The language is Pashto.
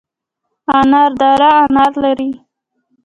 انار دره انار لري؟